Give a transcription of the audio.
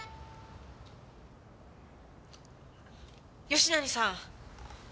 吉成さん。